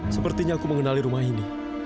sepertinya aku mengenali rumah ini